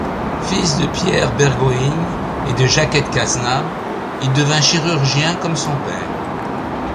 Fils de Pierre Bergoeing et de Jacquette Casenave, il devint chirurgien comme son père.